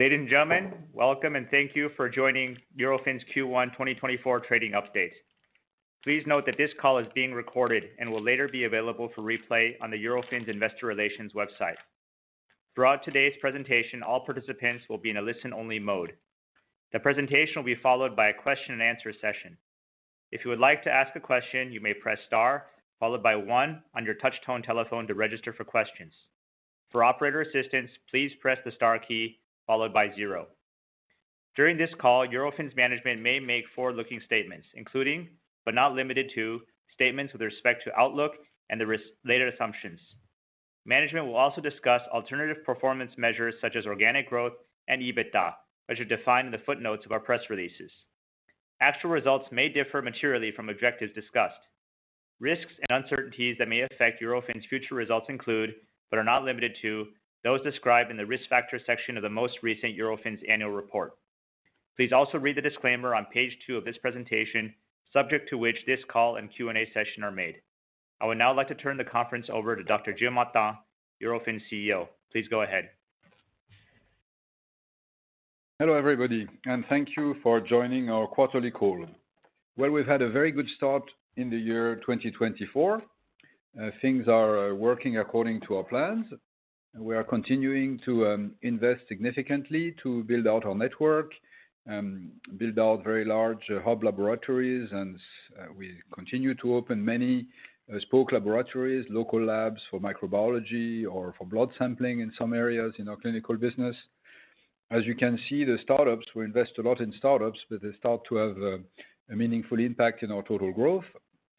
Ladies and gentlemen, welcome and thank you for joining Eurofins Q1 2024 trading updates. Please note that this call is being recorded and will later be available for replay on the Eurofins Investor Relations website. Throughout today's presentation, all participants will be in a listen-only mode. The presentation will be followed by a question-and-answer session. If you would like to ask a question, you may press * followed by one on your touch-tone telephone to register for questions. For operator assistance, please press the * key followed by zero. During this call, Eurofins management may make forward-looking statements, including, but not limited to, statements with respect to outlook and the risk-related assumptions. Management will also discuss alternative performance measures such as organic growth and EBITDA, which are defined in the footnotes of our press releases. Actual results may differ materially from objectives discussed. Risks and uncertainties that may affect Eurofins' future results include, but are not limited to, those described in the risk factors section of the most recent Eurofins annual report. Please also read the disclaimer on page two of this presentation, subject to which this call and Q&A session are made. I would now like to turn the conference over to Dr. Gilles Martin, Eurofins CEO. Please go ahead. Hello everybody, and thank you for joining our quarterly call. Well, we've had a very good start in the year 2024. Things are working according to our plans. We are continuing to invest significantly to build out our network, build out very large hub laboratories, and we continue to open many spoke laboratories, local labs for microbiology or for blood sampling in some areas in our clinical business. As you can see, the startups, we invest a lot in startups, but they start to have a meaningful impact in our total growth.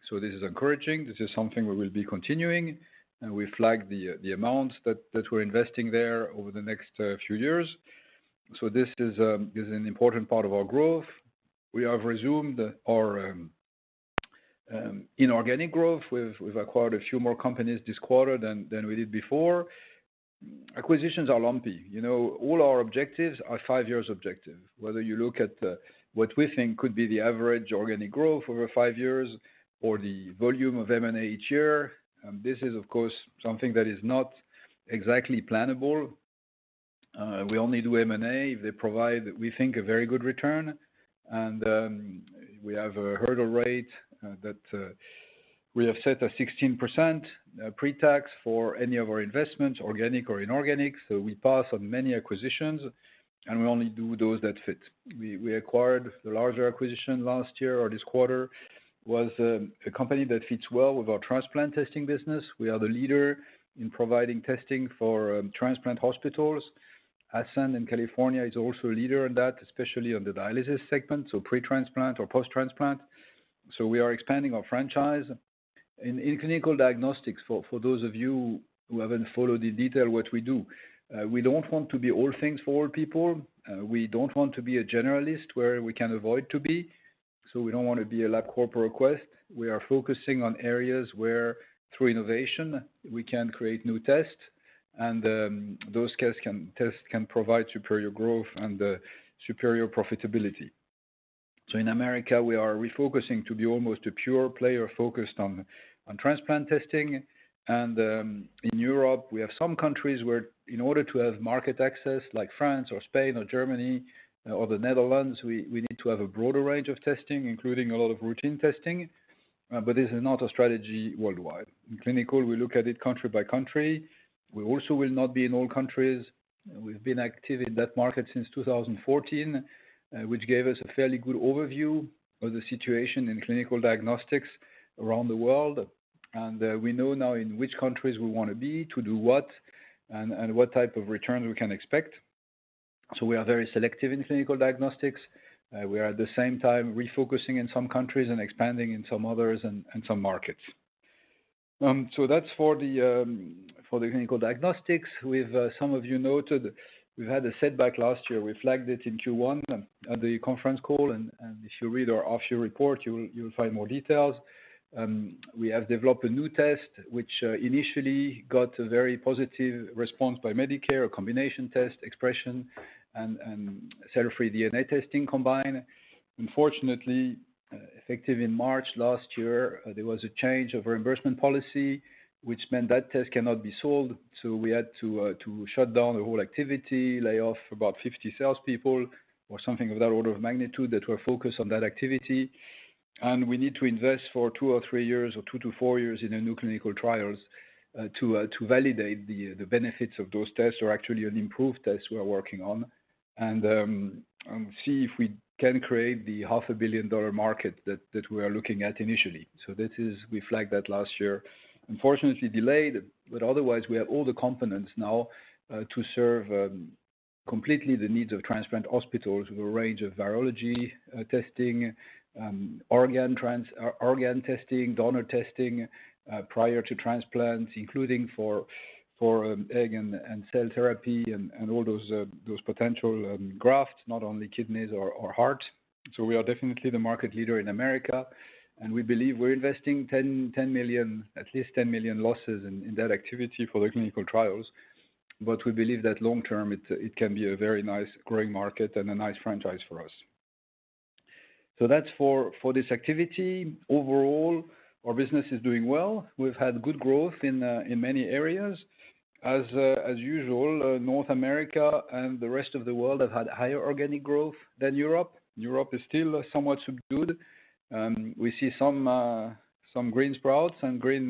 So this is encouraging. This is something we will be continuing. We flagged the amounts that we're investing there over the next few years. So this is an important part of our growth. We have resumed our inorganic growth. We've acquired a few more companies this quarter than we did before. Acquisitions are lumpy. All our objectives are five-year objectives. Whether you look at what we think could be the average organic growth over five years or the volume of M&A each year, this is, of course, something that is not exactly plannable. We only do M&A if they provide, we think, a very good return. We have a hurdle rate that we have set at 16% pre-tax for any of our investments, organic or inorganic. We pass on many acquisitions, and we only do those that fit. We acquired the larger acquisition last year or this quarter was a company that fits well with our transplant testing business. We are the leader in providing testing for transplant hospitals. Ascend in California is also a leader in that, especially on the dialysis segment, so pre-transplant or post-transplant. We are expanding our franchise. In clinical diagnostics, for those of you who haven't followed in detail what we do, we don't want to be all things for all people. We don't want to be a generalist where we can avoid to be. So we don't want to be a LabCorp or Quest. We are focusing on areas where, through innovation, we can create new tests, and those tests can provide superior growth and superior profitability. So in America, we are refocusing to be almost a pure player focused on transplant testing. And in Europe, we have some countries where, in order to have market access like France or Spain or Germany or the Netherlands, we need to have a broader range of testing, including a lot of routine testing. But this is not a strategy worldwide. In clinical, we look at it country by country. We also will not be in all countries. We've been active in that market since 2014, which gave us a fairly good overview of the situation in clinical diagnostics around the world. We know now in which countries we want to be, to do what, and what type of returns we can expect. We are very selective in clinical diagnostics. We are, at the same time, refocusing in some countries and expanding in some others and some markets. That's for the clinical diagnostics. Some of you noted, we've had a setback last year. We flagged it in Q1 at the conference call. If you read our half-year report, you'll find more details. We have developed a new test, which initially got a very positive response by Medicare, a combination gene expression and cell-free DNA testing combined. Unfortunately, effective in March last year, there was a change of reimbursement policy, which meant that test cannot be sold. So we had to shut down the whole activity, lay off about 50 salespeople or something of that order of magnitude that were focused on that activity. And we need to invest for two or three years or two to four years in new clinical trials to validate the benefits of those tests or actually an improved test we are working on and see if we can create the $500 million market that we are looking at initially. So we flagged that last year. Unfortunately, delayed. But otherwise, we have all the components now to serve completely the needs of transplant hospitals with a range of virology testing, organ testing, donor testing prior to transplants, including for egg and cell therapy and all those potential grafts, not only kidneys or heart. So we are definitely the market leader in America. And we believe we're investing 10 million, at least 10 million losses in that activity for the clinical trials. But we believe that long term, it can be a very nice growing market and a nice franchise for us. So that's for this activity. Overall, our business is doing well. We've had good growth in many areas. As usual, North America and the rest of the world have had higher organic growth than Europe. Europe is still somewhat subdued. We see some green sprouts and green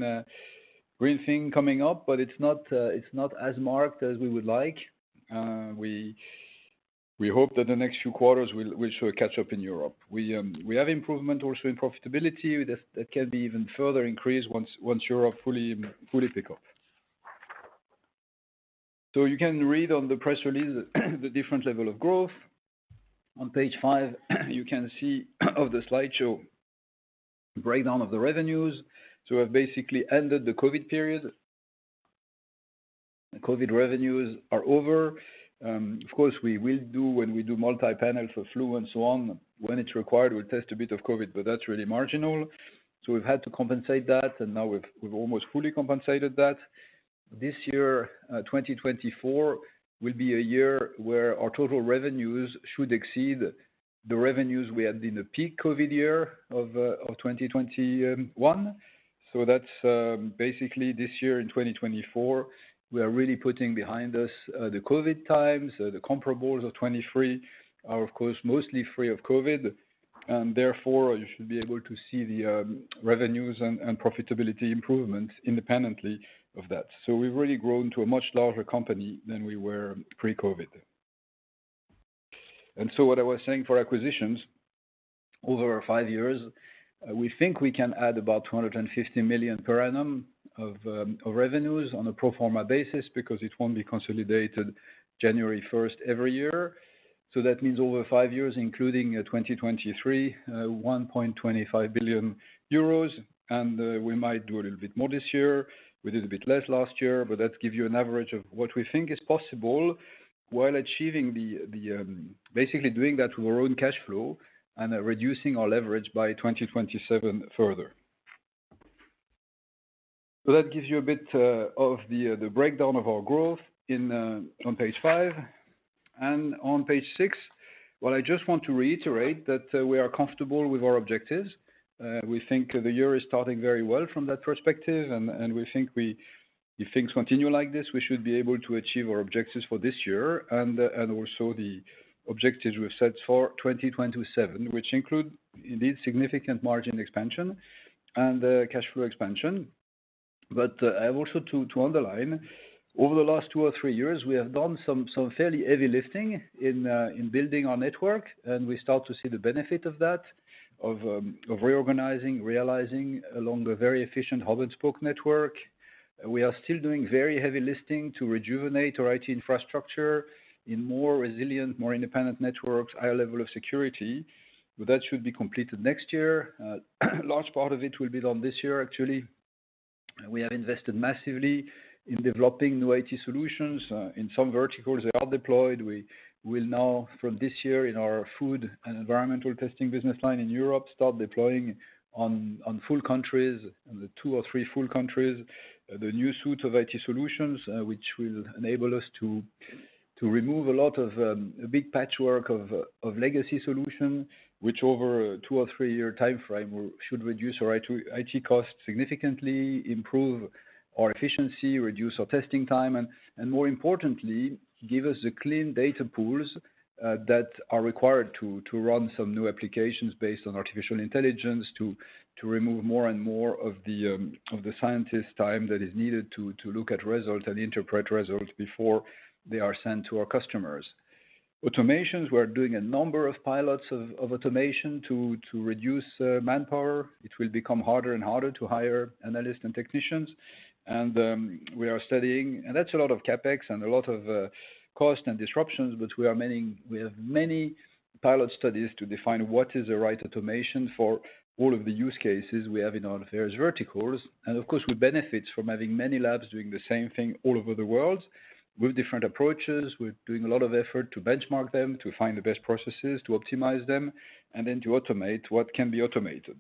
thing coming up, but it's not as marked as we would like. We hope that the next few quarters will show a catch-up in Europe. We have improvement also in profitability that can be even further increased once Europe fully pick up. So you can read on the press release the different level of growth. On page 5, you can see of the slideshow breakdown of the revenues. So we have basically ended the COVID period. COVID revenues are over. Of course, we will do when we do multi-panel for flu and so on, when it's required, we'll test a bit of COVID, but that's really marginal. So we've had to compensate that, and now we've almost fully compensated that. This year, 2024, will be a year where our total revenues should exceed the revenues we had in the peak COVID year of 2021. So that's basically this year in 2024. We are really putting behind us the COVID times. The comparables of 2023 are, of course, mostly free of COVID. And therefore, you should be able to see the revenues and profitability improvements independently of that. So we've really grown to a much larger company than we were pre-COVID. And so what I was saying for acquisitions, over 5 years, we think we can add about 250 million per annum of revenues on a pro forma basis because it won't be consolidated January 1st every year. So that means over five years, including 2023, 1.25 billion euros. And we might do a little bit more this year. We did a bit less last year, but that gives you an average of what we think is possible while achieving the basically doing that with our own cash flow and reducing our leverage by 2027 further. So that gives you a bit of the breakdown of our growth on page five. And on page six, well, I just want to reiterate that we are comfortable with our objectives. We think the year is starting very well from that perspective, and we think we if things continue like this, we should be able to achieve our objectives for this year and also the objectives we've set for 2027, which include indeed significant margin expansion and cash flow expansion. But I have also to underline, over the last two or three years, we have done some fairly heavy lifting in building our network, and we start to see the benefit of that, of reorganizing, realizing along a very efficient hub and spoke network. We are still doing very heavy lifting to rejuvenate our IT infrastructure in more resilient, more independent networks, higher level of security. But that should be completed next year. A large part of it will be done this year, actually. We have invested massively in developing new IT solutions. In some verticals, they are deployed. We will now, from this year in our food and environmental testing business line in Europe, start deploying on full countries, two or three full countries, the new suite of IT solutions, which will enable us to remove a lot of big patchwork of legacy solutions, which over a two or three year timeframe should reduce our IT costs significantly, improve our efficiency, reduce our testing time, and more importantly, give us the clean data pools that are required to run some new applications based on artificial intelligence to remove more and more of the scientist's time that is needed to look at results and interpret results before they are sent to our customers. Automations, we are doing a number of pilots of automation to reduce manpower. It will become harder and harder to hire analysts and technicians. We are studying and that's a lot of CapEx and a lot of cost and disruptions, but we have many pilot studies to define what is the right automation for all of the use cases we have in our various verticals. Of course, we benefit from having many labs doing the same thing all over the world with different approaches. We're doing a lot of effort to benchmark them, to find the best processes, to optimize them, and then to automate what can be automated.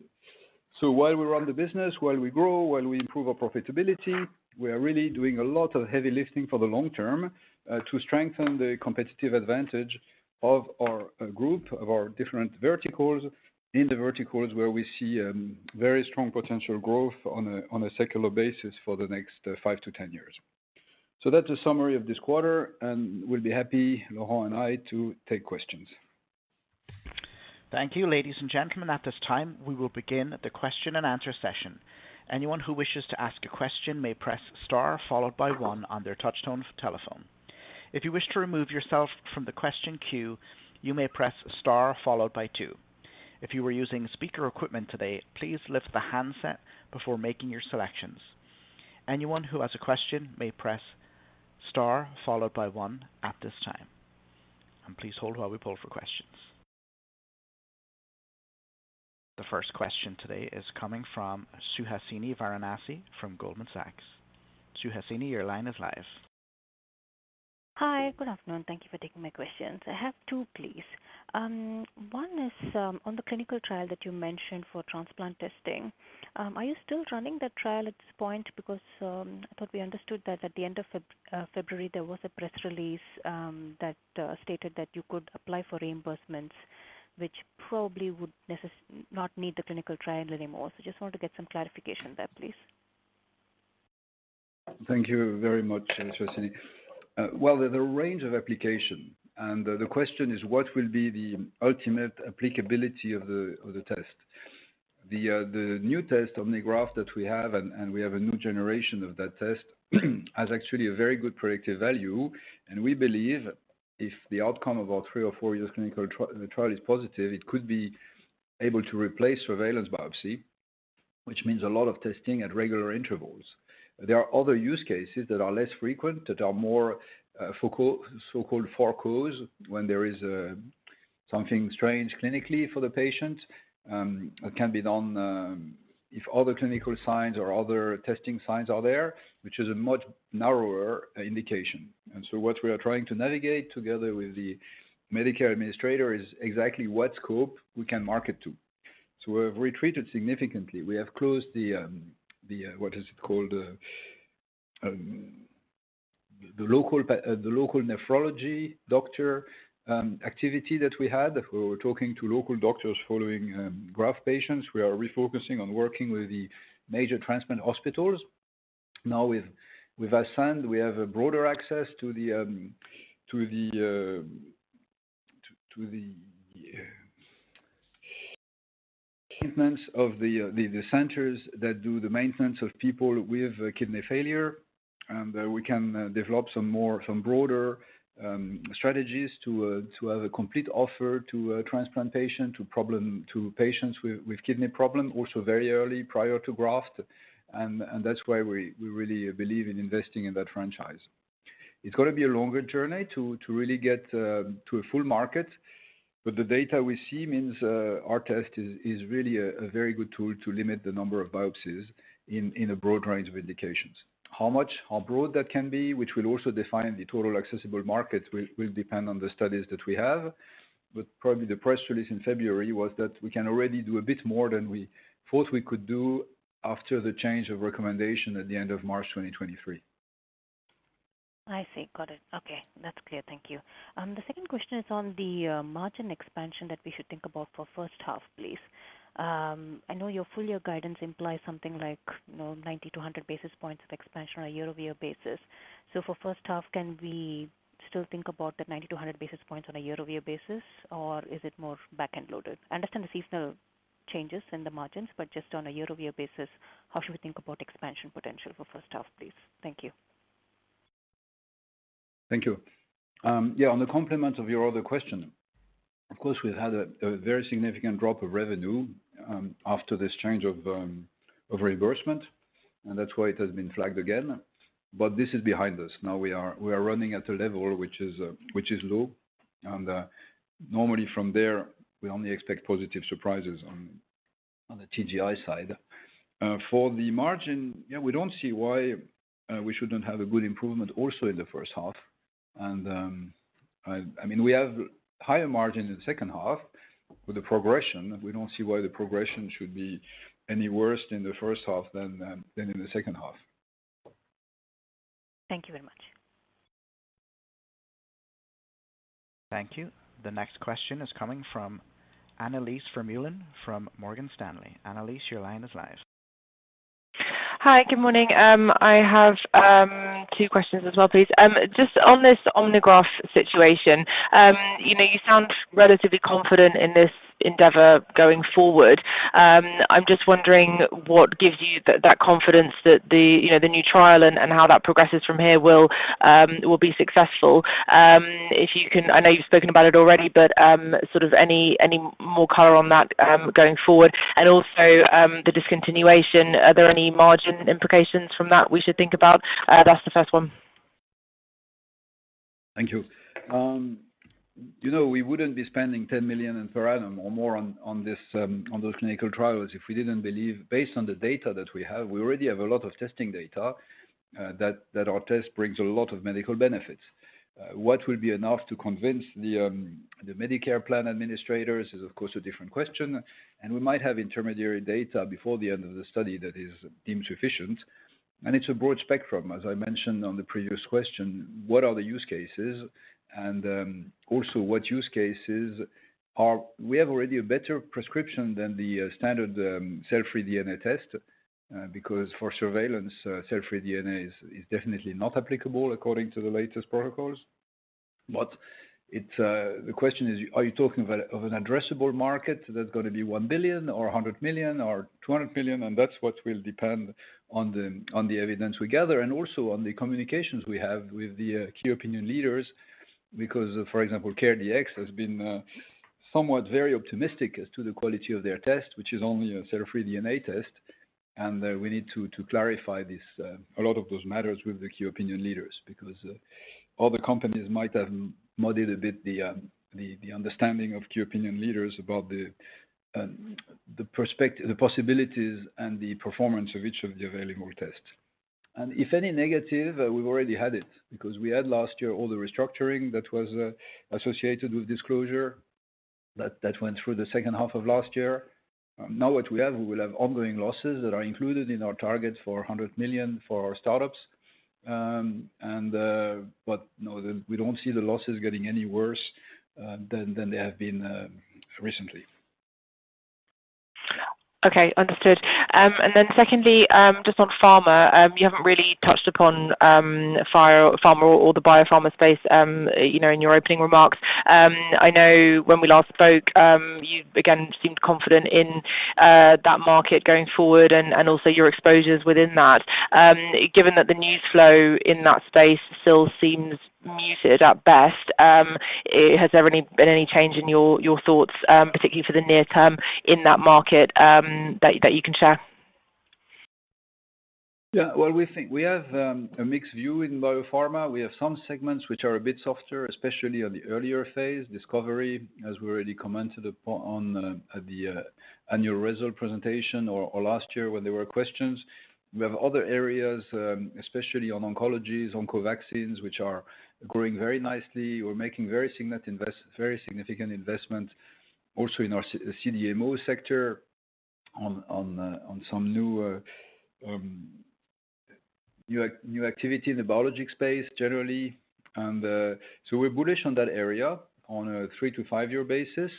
While we run the business, while we grow, while we improve our profitability, we are really doing a lot of heavy lifting for the long term to strengthen the competitive advantage of our group, of our different verticals, in the verticals where we see very strong potential growth on a secular basis for the next five to 10 years. That's a summary of this quarter. We'll be happy, Laurent and I, to take questions. Thank you, ladies and gentlemen. At this time, we will begin the question and answer session. Anyone who wishes to ask a question may press star followed by one on their touch-tone telephone. If you wish to remove yourself from the question queue, you may press star followed by two. If you were using speaker equipment today, please lift the handset before making your selections. Anyone who has a question may press star followed by one at this time. Please hold while we poll for questions. The first question today is coming from Suhasini Varanasi from Goldman Sachs. Suhasini, your line is live. Hi. Good afternoon. Thank you for taking my questions. I have two, please. One is on the clinical trial that you mentioned for transplant testing. Are you still running that trial at this point because I thought we understood that at the end of February, there was a press release that stated that you could apply for reimbursements, which probably would not need the clinical trial anymore? So just wanted to get some clarification there, please. Thank you very much, Suhasini. Well, there's a range of applications. The question is, what will be the ultimate applicability of the test? The new test OmniGraf that we have, and we have a new generation of that test, has actually a very good predictive value. We believe if the outcome of our three- or four-year clinical trial is positive, it could be able to replace surveillance biopsy, which means a lot of testing at regular intervals. There are other use cases that are less frequent, that are more so-called for cause when there is something strange clinically for the patient. It can be done if other clinical signs or other testing signs are there, which is a much narrower indication. So what we are trying to navigate together with the Medicare administrator is exactly what scope we can market to. So we have retreated significantly. We have closed the what is it called? The local nephrology doctor activity that we had. We were talking to local doctors following graft patients. We are refocusing on working with the major transplant hospitals. Now with Ascend, we have broader access to the maintenance of the centers that do the maintenance of people with kidney failure. And we can develop some broader strategies to have a complete offer to transplant patients, to patients with kidney problems, also very early prior to graft. And that's why we really believe in investing in that franchise. It's got to be a longer journey to really get to a full market. But the data we see means our test is really a very good tool to limit the number of biopsies in a broad range of indications. How broad that can be, which will also define the total accessible market, will depend on the studies that we have. But probably the press release in February was that we can already do a bit more than we thought we could do after the change of recommendation at the end of March 2023. I see. Got it. Okay. That's clear. Thank you. The second question is on the margin expansion that we should think about for first half, please. I know your full year guidance implies something like 90-100 basis points of expansion on a year-over-year basis. So for first half, can we still think about the 90-100 basis points on a year-over-year basis, or is it more back-end loaded? I understand the seasonal changes in the margins, but just on a year-over-year basis, how should we think about expansion potential for first half, please? Thank you. Thank you. Yeah, on the complement of your other question, of course, we've had a very significant drop of revenue after this change of reimbursement. And that's why it has been flagged again. But this is behind us. Now we are running at a level which is low. And normally, from there, we only expect positive surprises on the TGI side. For the margin, yeah, we don't see why we shouldn't have a good improvement also in the first half. And I mean, we have higher margin in the second half. With the progression, we don't see why the progression should be any worse in the first half than in the second half. Thank you very much. Thank you. The next question is coming from Annelies Vermeulen from Morgan Stanley. Annelies, your line is live. Hi. Good morning. I have two questions as well, please. Just on this OmniGraf situation, you sound relatively confident in this endeavor going forward. I'm just wondering what gives you that confidence that the new trial and how that progresses from here will be successful. If you can, I know you've spoken about it already, but sort of any more color on that going forward. And also the discontinuation, are there any margin implications from that we should think about? That's the first one. Thank you. We wouldn't be spending 10 million per annum or more on those clinical trials if we didn't believe based on the data that we have, we already have a lot of testing data that our test brings a lot of medical benefits. What will be enough to convince the Medicare plan administrators is, of course, a different question. We might have intermediary data before the end of the study that is deemed sufficient. It's a broad spectrum. As I mentioned on the previous question, what are the use cases? And also what use cases are we have already a better prescription than the standard cell-free DNA test because for surveillance, cell-free DNA is definitely not applicable according to the latest protocols. But the question is, are you talking of an addressable market that's going to be $1 billion or $100 million or $200 million? That's what will depend on the evidence we gather and also on the communications we have with the key opinion leaders because, for example, CareDx has been somewhat very optimistic as to the quality of their test, which is only a cell-free DNA test. We need to clarify a lot of those matters with the key opinion leaders because other companies might have muddied a bit the understanding of key opinion leaders about the possibilities and the performance of each of the available tests. If any negative, we've already had it because we had last year all the restructuring that was associated with disclosure that went through the second half of last year. Now what we have, we will have ongoing losses that are included in our target for 100 million for our startups. But we don't see the losses getting any worse than they have been recently. Okay. Understood. And then secondly, just on pharma, you haven't really touched upon pharma or the biopharma space in your opening remarks. I know when we last spoke, you again seemed confident in that market going forward and also your exposures within that. Given that the news flow in that space still seems muted at best, has there been any change in your thoughts, particularly for the near term, in that market that you can share? Yeah. Well, we have a mixed view in biopharma. We have some segments which are a bit softer, especially on the earlier phase, discovery, as we already commented on at the annual result presentation or last year when there were questions. We have other areas, especially on oncologies, oncovaccines, which are growing very nicely. We're making very significant investments also in our CDMO sector on some new activity in the biologic space generally. And so we're bullish on that area on a three to five year basis.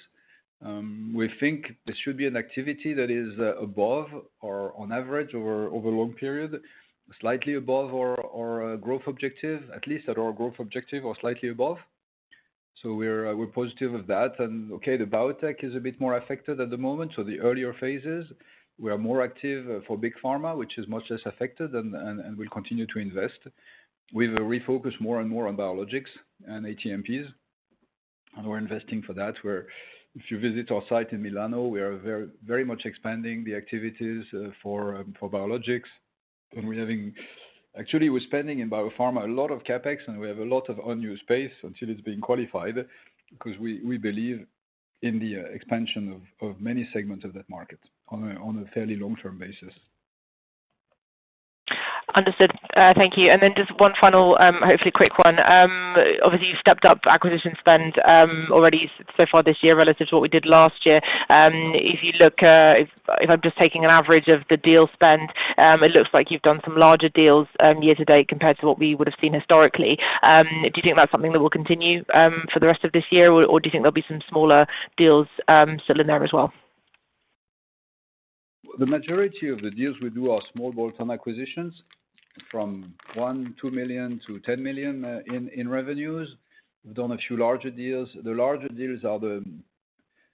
We think there should be an activity that is above or on average over a long period, slightly above our growth objective, at least at our growth objective or slightly above. So we're positive of that. And okay, the biotech is a bit more affected at the moment. The earlier phases, we are more active for big pharma, which is much less affected and will continue to invest. We've refocused more and more on biologics and ATMPs. We're investing for that. If you visit our site in Milano, we are very much expanding the activities for biologics. Actually, we're spending in biopharma a lot of CapEx, and we have a lot of unused space until it's being qualified because we believe in the expansion of many segments of that market on a fairly long-term basis. Understood. Thank you. And then just one final, hopefully quick one. Obviously, you've stepped up acquisition spend already so far this year relative to what we did last year. If you look if I'm just taking an average of the deal spend, it looks like you've done some larger deals year to date compared to what we would have seen historically. Do you think that's something that will continue for the rest of this year, or do you think there'll be some smaller deals still in there as well? The majority of the deals we do are small bolt-on acquisitions from 1-2 million to 10 million in revenues. We've done a few larger deals. The larger deals are the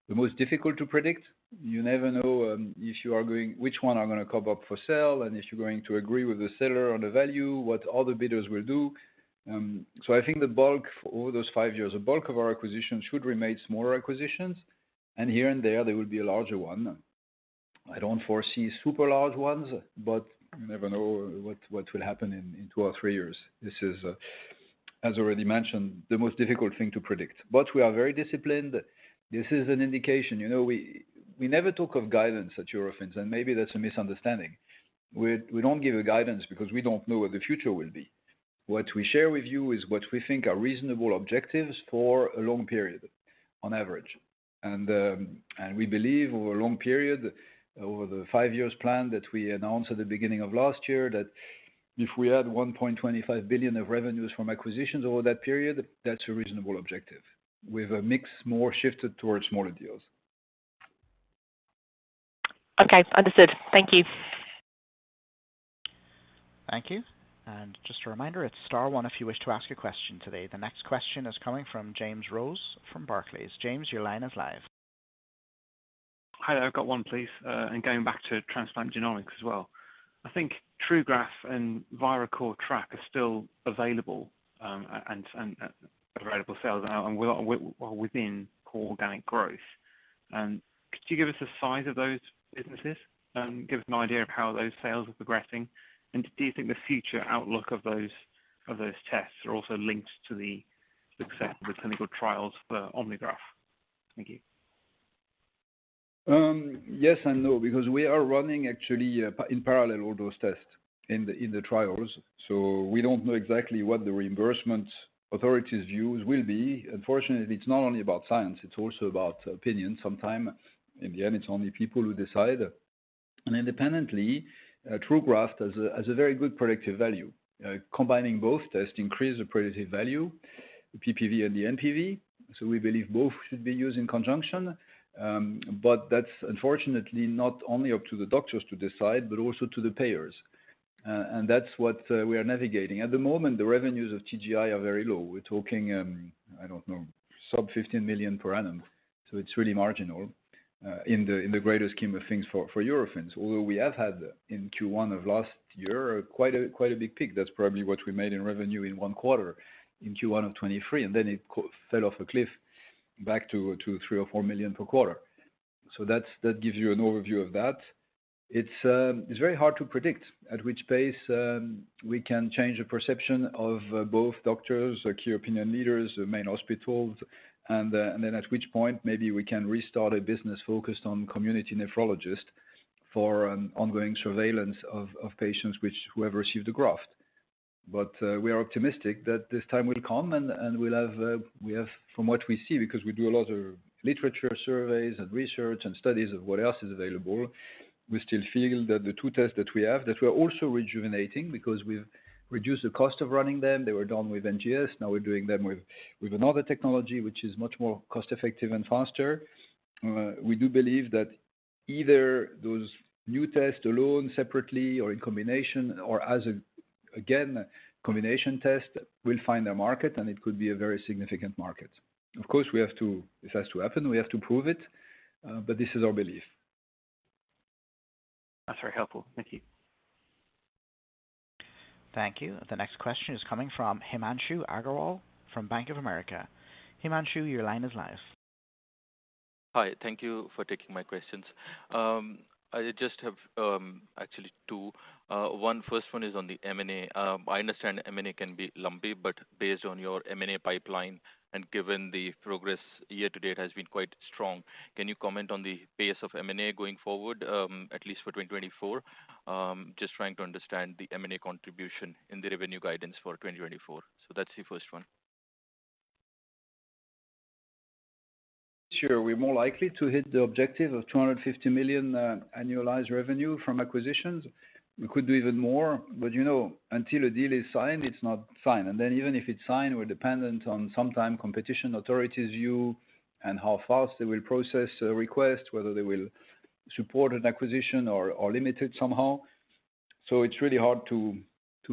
most difficult to predict. You never know if you are going which one are going to come up for sale and if you're going to agree with the seller on the value, what other bidders will do. I think the bulk over those five years, the bulk of our acquisitions should remain smaller acquisitions. Here and there, there will be a larger one. I don't foresee super large ones, but you never know what will happen in two or three years. This is, as already mentioned, the most difficult thing to predict. We are very disciplined. This is an indication. We never talk of guidance at Eurofins, and maybe that's a misunderstanding. We don't give a guidance because we don't know what the future will be. What we share with you is what we think are reasonable objectives for a long period, on average. We believe over a long period, over the five-year plan that we announced at the beginning of last year, that if we had 1.25 billion of revenues from acquisitions over that period, that's a reasonable objective with a mix more shifted towards smaller deals. Okay. Understood. Thank you. Thank you. Just a reminder, it's star one if you wish to ask a question today. The next question is coming from James Rose from Barclays. James, your line is live. Hi. I've got one, please. Going back to Transplant Genomics as well. I think TruGraf and Viracor TRAC are still available and available sales within core organic growth. Could you give us the size of those businesses and give us an idea of how those sales are progressing? Do you think the future outlook of those tests are also linked to the success of the clinical trials for OmniGraf? Thank you. Yes and no because we are running actually in parallel all those tests in the trials. So we don't know exactly what the reimbursement authorities' views will be. Unfortunately, it's not only about science. It's also about opinion sometime. In the end, it's only people who decide. And independently, TruGraf has a very good predictive value. Combining both tests increases the predictive value, the PPV and the NPV. So we believe both should be used in conjunction. But that's, unfortunately, not only up to the doctors to decide, but also to the payers. And that's what we are navigating. At the moment, the revenues of TGI are very low. We're talking, I don't know, sub-EUR 15 million per annum. So it's really marginal in the greater scheme of things for Eurofins. Although we have had in Q1 of last year quite a big peak. That's probably what we made in revenue in one quarter in Q1 of 2023. Then it fell off a cliff back to $3 million or $4 million per quarter. That gives you an overview of that. It's very hard to predict at which pace we can change the perception of both doctors, key opinion leaders, the main hospitals, and then at which point maybe we can restart a business focused on community nephrologists for ongoing surveillance of patients who have received the graft. But we are optimistic that this time will come and we have from what we see because we do a lot of literature surveys and research and studies of what else is available, we still feel that the two tests that we have that we're also rejuvenating because we've reduced the cost of running them. They were done with NGS. Now we're doing them with another technology, which is much more cost-effective and faster. We do believe that either those new tests alone, separately, or in combination, or as a, again, combination test will find their market, and it could be a very significant market. Of course, this has to happen. We have to prove it. But this is our belief. That's very helpful. Thank you. Thank you. The next question is coming from Himanshu Agarwal from Bank of America. Himanshu, your line is live. Hi. Thank you for taking my questions. I just have actually two. First one is on the M&A. I understand M&A can be lumpy, but based on your M&A pipeline and given the progress year to date has been quite strong, can you comment on the pace of M&A going forward, at least for 2024, just trying to understand the M&A contribution in the revenue guidance for 2024? So that's the first one. This year, we're more likely to hit the objective of 250 million annualized revenue from acquisitions. We could do even more. But until a deal is signed, it's not signed. And then even if it's signed, we're dependent on sometime competition authorities' view and how fast they will process a request, whether they will support an acquisition or limit it somehow. So it's really hard to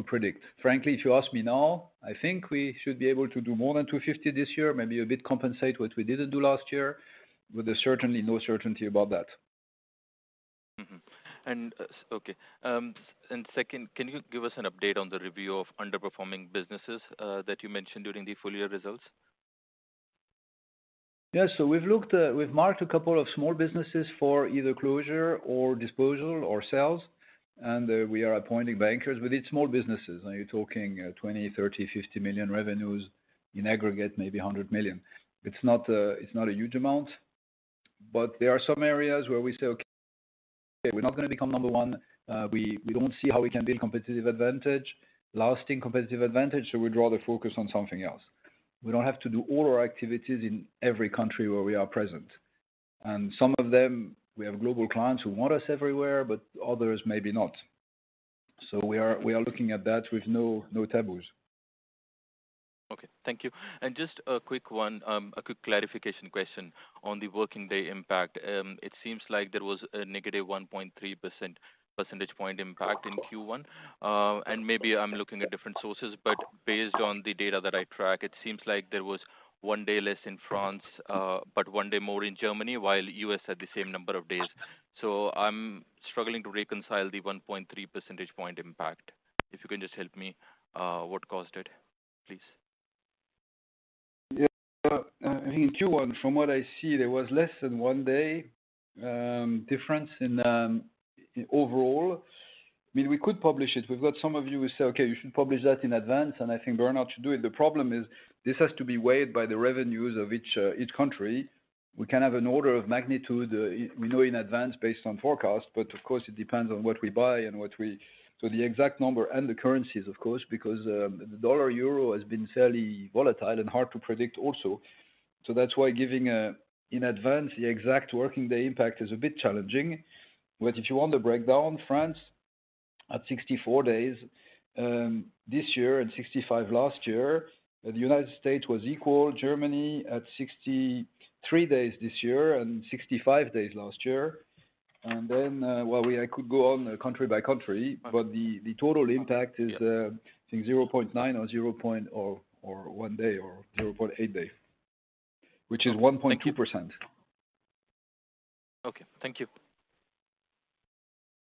predict. Frankly, if you ask me now, I think we should be able to do more than 250 this year, maybe a bit compensate what we didn't do last year, but there's certainly no certainty about that. Okay. And second, can you give us an update on the review of underperforming businesses that you mentioned during the full-year results? Yes. So we've marked a couple of small businesses for either closure or disposal or sales. We are appointing bankers within small businesses. Are you talking 20 million, 30 million, 50 million revenues in aggregate, maybe 100 million? It's not a huge amount. But there are some areas where we say, "Okay. We're not going to become number one. We don't see how we can build competitive advantage, lasting competitive advantage." So we draw the focus on something else. We don't have to do all our activities in every country where we are present. Some of them, we have global clients who want us everywhere, but others maybe not. So we are looking at that with no taboos. Okay. Thank you. And just a quick clarification question on the working day impact. It seems like there was a negative 1.3 percentage point impact in Q1. And maybe I'm looking at different sources, but based on the data that I track, it seems like there was one day less in France, but one day more in Germany while the U.S. had the same number of days. So I'm struggling to reconcile the 1.3 percentage point impact. If you can just help me, what caused it, please? Yeah. I think in Q1, from what I see, there was less than one day difference overall. I mean, we could publish it. We've got some of you who say, "Okay. You should publish that in advance." And I think we're not to do it. The problem is this has to be weighted by the revenues of each country. We can have an order of magnitude we know in advance based on forecast, but of course, it depends on what we buy and what we sell the exact number and the currencies, of course, because the dollar/euro has been fairly volatile and hard to predict also. So that's why giving in advance the exact working day impact is a bit challenging. But if you want the breakdown, France at 64 days this year and 65 last year. The United States was equal. Germany at 63 days this year and 65 days last year. Well, I could go on country by country, but the total impact is, I think, 0.9 or 0.1 day or 0.8 day, which is 1.2%. Okay. Thank you.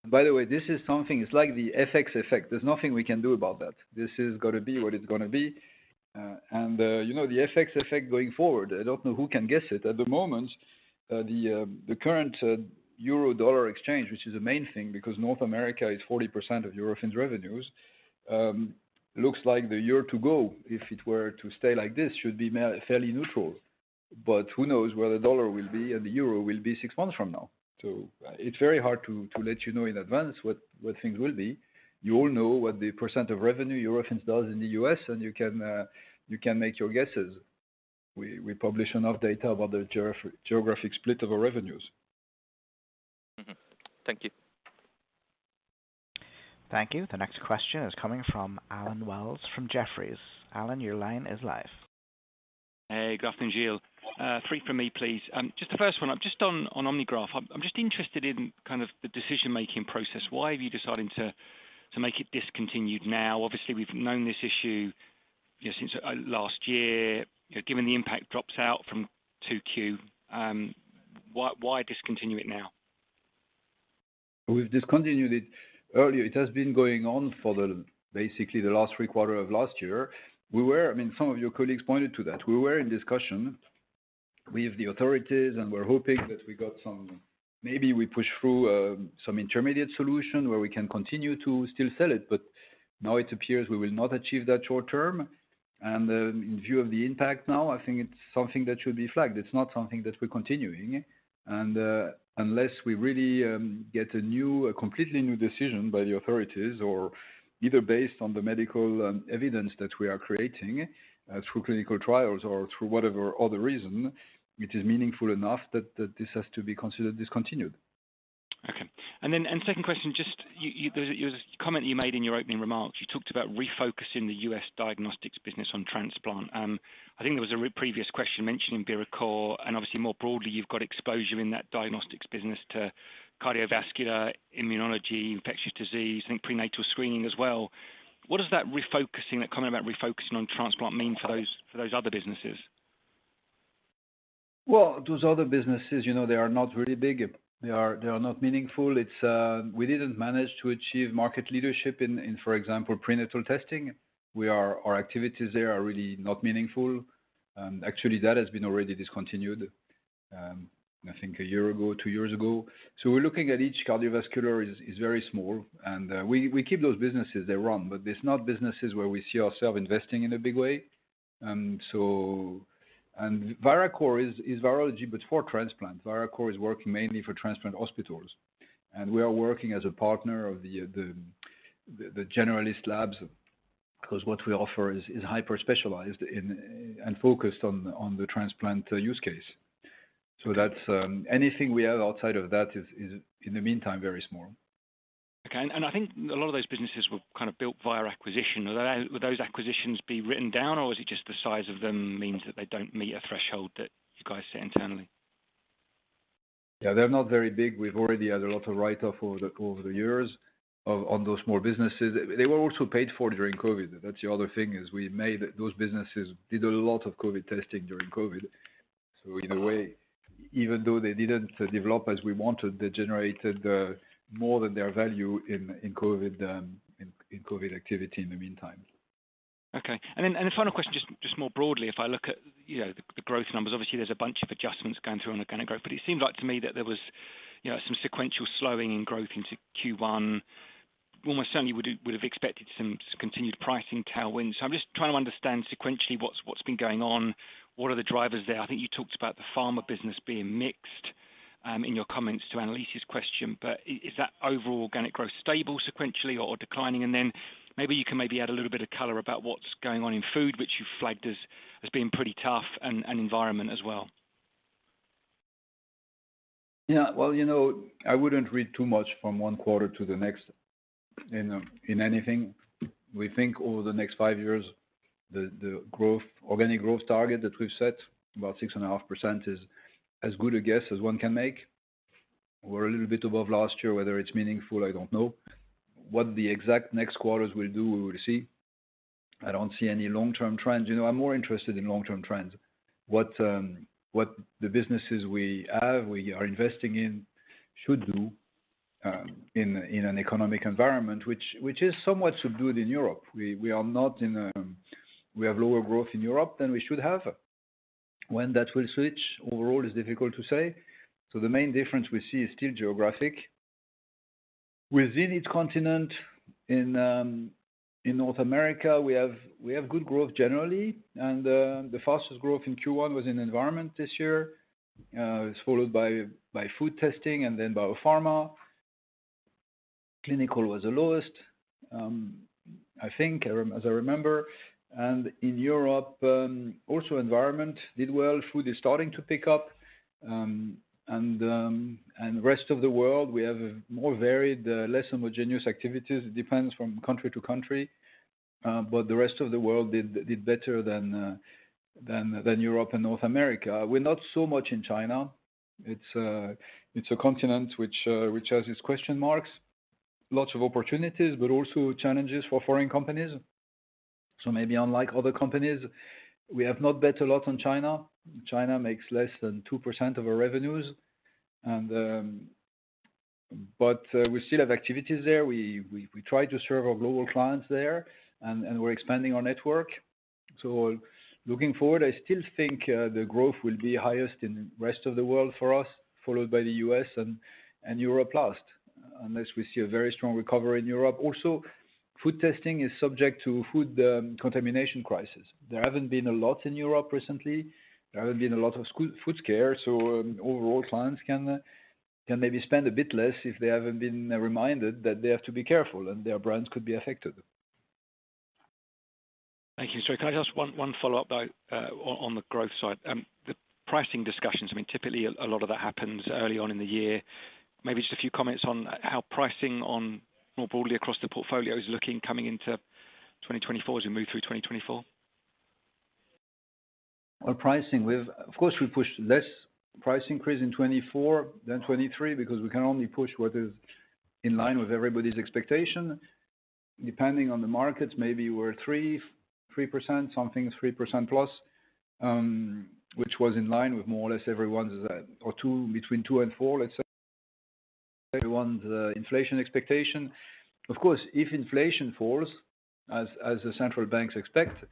By the way, this is something it's like the FX effect. There's nothing we can do about that. This has got to be what it's going to be. And the FX effect going forward, I don't know who can guess it. At the moment, the current euro-dollar exchange, which is the main thing because North America is 40% of Eurofins revenues, looks like the year to go, if it were to stay like this, should be fairly neutral. But who knows where the dollar will be and the euro will be six months from now? So it's very hard to let you know in advance what things will be. You all know what the percent of revenue Eurofins does in the U.S., and you can make your guesses. We publish enough data about the geographic split of our revenues. Thank you. Thank you. The next question is coming from Allen Wells from Jefferies. Alan, your line is live. Hey, Graftn Gill. Three from me, please. Just the first one. I'm just on OmniGraf. I'm just interested in kind of the decision-making process. Why have you decided to make it discontinued now? Obviously, we've known this issue since last year. Given the impact drops out from 2Q, why discontinue it now? We've discontinued it earlier. It has been going on for basically the last three quarters of last year. I mean, some of your colleagues pointed to that. We were in discussion with the authorities, and we're hoping that we got some maybe we push through some intermediate solution where we can continue to still sell it. But now it appears we will not achieve that short term. And in view of the impact now, I think it's something that should be flagged. It's not something that we're continuing. And unless we really get a completely new decision by the authorities or either based on the medical evidence that we are creating through clinical trials or through whatever other reason, it is meaningful enough that this has to be considered discontinued. Okay. And then second question, just there was a comment you made in your opening remarks. You talked about refocusing the U.S. diagnostics business on transplant. I think there was a previous question mentioning Viracor. And obviously, more broadly, you've got exposure in that diagnostics business to cardiovascular, immunology, infectious disease, I think prenatal screening as well. What does that refocusing that comment about refocusing on transplant mean for those other businesses? Well, those other businesses, they are not really big. They are not meaningful. We didn't manage to achieve market leadership in, for example, prenatal testing. Our activities there are really not meaningful. Actually, that has been already discontinued, I think, a year ago, two years ago. So we're looking at each. Cardiovascular is very small. And we keep those businesses. They run. But it's not businesses where we see ourselves investing in a big way. And Viracor is virology, but for transplant. Viracor is working mainly for transplant hospitals. And we are working as a partner of the generalist labs because what we offer is hyper-specialized and focused on the transplant use case. So anything we have outside of that is, in the meantime, very small. Okay. I think a lot of those businesses were kind of built via acquisition. Would those acquisitions be written down, or is it just the size of them means that they don't meet a threshold that you guys set internally? Yeah. They're not very big. We've already had a lot of write-off over the years on those small businesses. They were also paid for during COVID. That's the other thing is we made those businesses did a lot of COVID testing during COVID. So in a way, even though they didn't develop as we wanted, they generated more than their value in COVID activity in the meantime. Okay. And then a final question, just more broadly, if I look at the growth numbers, obviously, there's a bunch of adjustments going through on organic growth. But it seemed like to me that there was some sequential slowing in growth into Q1. Almost certainly, we would have expected some continued pricing tailwinds. So I'm just trying to understand sequentially what's been going on. What are the drivers there? I think you talked about the pharma business being mixed in your comments to analyst's question. But is that overall organic growth stable sequentially or declining? And then maybe you can maybe add a little bit of color about what's going on in food, which you flagged as being pretty tough, and environment as well. Yeah. Well, I wouldn't read too much from one quarter to the next in anything. We think over the next five years, the organic growth target that we've set, about 6.5%, is as good a guess as one can make. We're a little bit above last year. Whether it's meaningful, I don't know. What the exact next quarters will do, we will see. I don't see any long-term trends. I'm more interested in long-term trends. What the businesses we have, we are investing in, should do in an economic environment, which is somewhat subdued in Europe. We are not in a we have lower growth in Europe than we should have. When that will switch, overall, is difficult to say. So the main difference we see is still geographic. Within each continent in North America, we have good growth generally. The fastest growth in Q1 was in environment this year, followed by food testing and then biopharma. Clinical was the lowest, I think, as I remember. In Europe, also, environment did well. Food is starting to pick up. The rest of the world, we have more varied, less homogeneous activities. It depends from country to country. But the rest of the world did better than Europe and North America. We're not so much in China. It's a continent which has its question marks, lots of opportunities, but also challenges for foreign companies. So maybe unlike other companies, we have not bet a lot on China. China makes less than 2% of our revenues. But we still have activities there. We try to serve our global clients there, and we're expanding our network. So looking forward, I still think the growth will be highest in the rest of the world for us, followed by the U.S. and Europe last, unless we see a very strong recovery in Europe. Also, food testing is subject to food contamination crises. There haven't been a lot in Europe recently. There haven't been a lot of food scares. So overall, clients can maybe spend a bit less if they haven't been reminded that they have to be careful and their brands could be affected. Thank you, sir. Can I just ask one follow-up on the growth side? The pricing discussions, I mean, typically, a lot of that happens early on in the year. Maybe just a few comments on how pricing on more broadly across the portfolio is looking coming into 2024 as we move through 2024? Well, pricing, of course, we pushed less price increase in 2024 than 2023 because we can only push what is in line with everybody's expectation. Depending on the markets, maybe we're 3%, something 3%+, which was in line with more or less everyone's or between 2%-4%, let's say, everyone's inflation expectation. Of course, if inflation falls, as the central banks expect,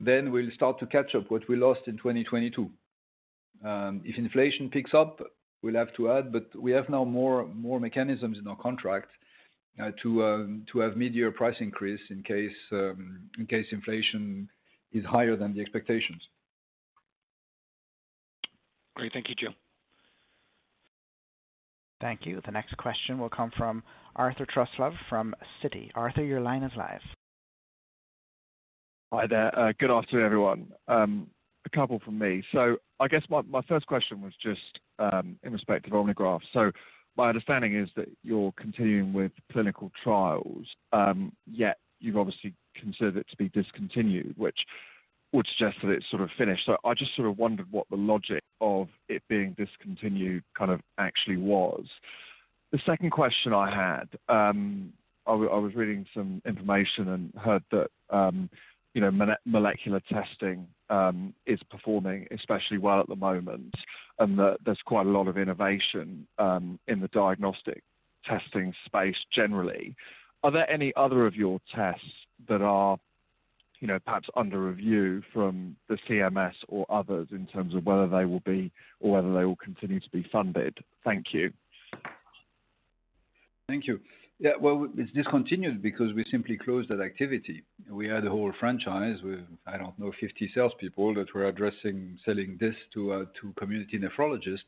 then we'll start to catch up what we lost in 2022. If inflation picks up, we'll have to add. But we have now more mechanisms in our contract to have mid-year price increase in case inflation is higher than the expectations. Great. Thank you, Gilles. Thank you. The next question will come from Arthur Truslove from Citi. Arthur, your line is live. Hi there. Good afternoon, everyone. A couple from me. So I guess my first question was just in respect of OmniGraf. So my understanding is that you're continuing with clinical trials, yet you've obviously considered it to be discontinued, which would suggest that it's sort of finished. So I just sort of wondered what the logic of it being discontinued kind of actually was. The second question I had, I was reading some information and heard that molecular testing is performing especially well at the moment and that there's quite a lot of innovation in the diagnostic testing space generally. Are there any other of your tests that are perhaps under review from the CMS or others in terms of whether they will be or whether they will continue to be funded? Thank you. Thank you. Yeah. Well, it's discontinued because we simply closed that activity. We had a whole franchise with, I don't know, 50 salespeople that were selling this to community nephrologists,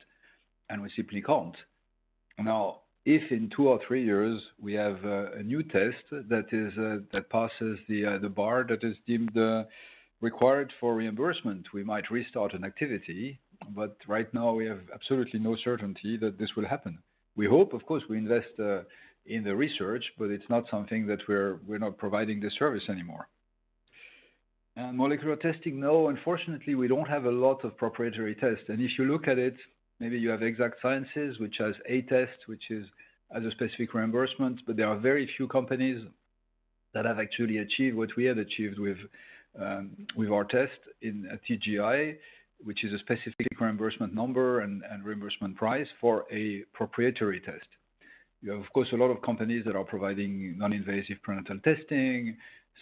and we simply can't. Now, if in two or three years, we have a new test that passes the bar that is deemed required for reimbursement, we might restart an activity. But right now, we have absolutely no certainty that this will happen. We hope, of course, we invest in the research, but it's not something that we're not providing the service anymore. And molecular testing, no, unfortunately, we don't have a lot of proprietary tests. If you look at it, maybe you have Exact Sciences, which has a test, which has a specific reimbursement, but there are very few companies that have actually achieved what we have achieved with our test in TGI, which is a specific reimbursement number and reimbursement price for a proprietary test. You have, of course, a lot of companies that are providing non-invasive prenatal testing,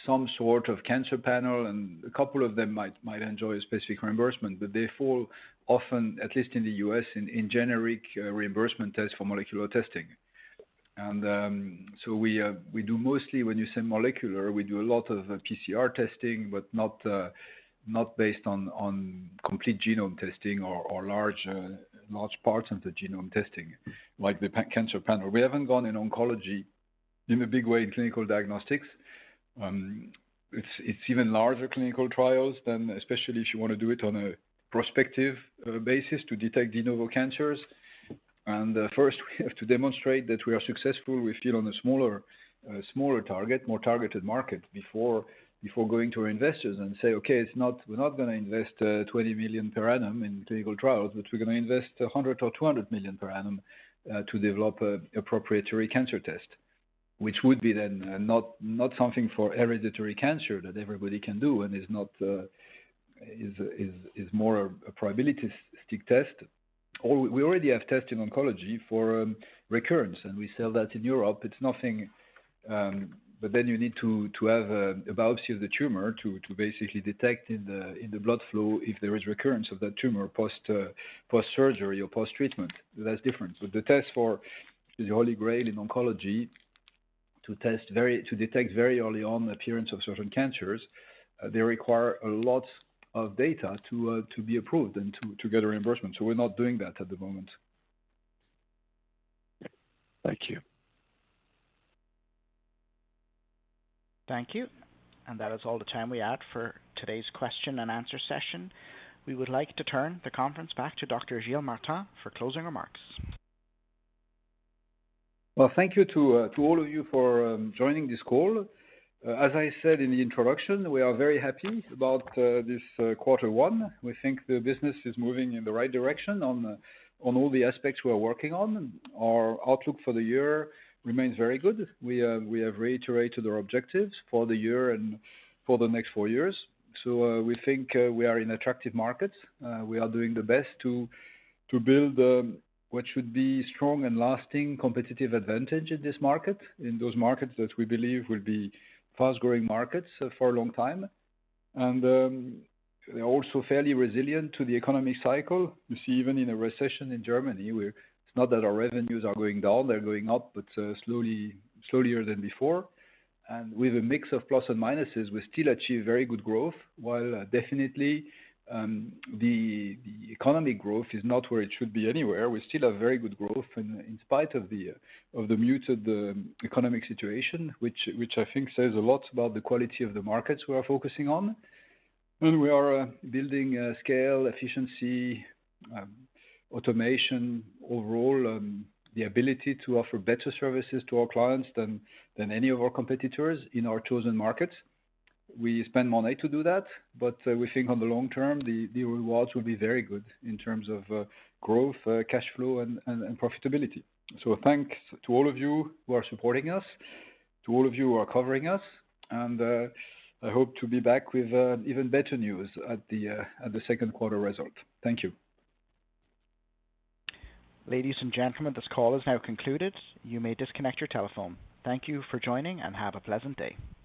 some sort of cancer panel, and a couple of them might enjoy a specific reimbursement, but they fall often, at least in the U.S., in generic reimbursement tests for molecular testing. And so we do mostly when you say molecular, we do a lot of PCR testing, but not based on complete genome testing or large parts of the genome testing like the cancer panel. We haven't gone in oncology in a big way in clinical diagnostics. It's even larger clinical trials than, especially if you want to do it on a prospective basis to detect de novo cancers. And first, we have to demonstrate that we are successful. We feel on a smaller target, more targeted market before going to our investors and say, "Okay, we're not going to invest 20 million per annum in clinical trials, but we're going to invest 100 million or 200 million per annum to develop a proprietary cancer test," which would be then not something for hereditary cancer that everybody can do and is more a probabilistic test. We already have tests in oncology for recurrence, and we sell that in Europe. But then you need to have a biopsy of the tumor to basically detect in the blood flow if there is recurrence of that tumor post-surgery or post-treatment. That's different. But the test for the Holy Grail in oncology, to detect very early on the appearance of certain cancers, they require a lot of data to be approved and to get a reimbursement. So we're not doing that at the moment. Thank you. Thank you. That is all the time we have for today's question and answer session. We would like to turn the conference back to Dr. Gilles Martin for closing remarks. Well, thank you to all of you for joining this call. As I said in the introduction, we are very happy about this quarter one. We think the business is moving in the right direction on all the aspects we are working on. Our outlook for the year remains very good. We have reiterated our objectives for the year and for the next four years. So we think we are in attractive markets. We are doing the best to build what should be strong and lasting competitive advantage in this market, in those markets that we believe will be fast-growing markets for a long time. And they're also fairly resilient to the economic cycle. You see, even in a recession in Germany, it's not that our revenues are going down. They're going up, but slowlier than before. With a mix of plus and minuses, we still achieve very good growth, while definitely, the economic growth is not where it should be anywhere. We still have very good growth in spite of the muted economic situation, which I think says a lot about the quality of the markets we are focusing on. And we are building scale, efficiency, automation, overall, the ability to offer better services to our clients than any of our competitors in our chosen markets. We spend more money to do that, but we think on the long term, the rewards will be very good in terms of growth, cash flow, and profitability. So thanks to all of you who are supporting us, to all of you who are covering us. And I hope to be back with even better news at the second quarter result. Thank you. Ladies and gentlemen, this call is now concluded. You may disconnect your telephone. Thank you for joining and have a pleasant day.